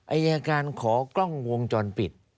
อายการขอกล้องวงจรปิด